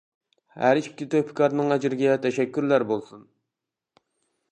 ھەر ئىككى تۆھپىكارنىڭ ئەجرىگە تەشەككۈرلەر بولسۇن.